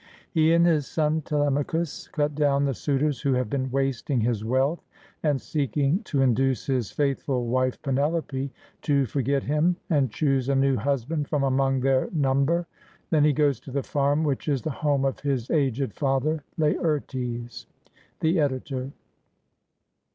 He and his son Telem achus cut do ^vn the suitors who have been wasting his wealth and seeking to induce his faithful wife Penelope to forget him and choose a new husband from among their number. Then he goes to the farm which is the home of his aged father Laertes. The Editor.